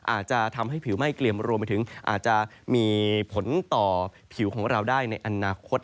อาจจะทำให้ผิวไหม้เกลี่ยมรวมไปถึงอาจจะมีผลต่อผิวของเราได้ในอนาคต